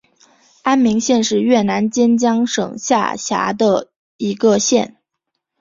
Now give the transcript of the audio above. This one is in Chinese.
安明县是越南坚江省下辖的一个县。